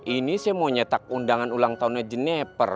ini saya mau nyetak undangan ulang tahunnya jeepper